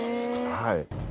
はい。